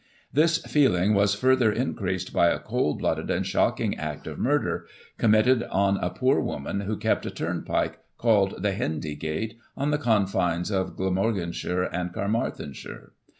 This feeling was further increased by a cold blooded and shocking act of murder, committed on a poor old woman who kept a turnpike, called the Hendy gate, on the confines of Glamorganshire and Caermarthenshire.